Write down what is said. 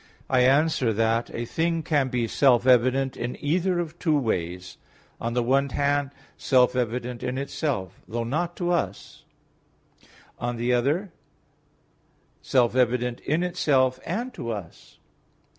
I answer that, A thing can be self evident in either of two ways: on the one hand, self evident in itself, though not to us; on the other, self evident in itself, and to us.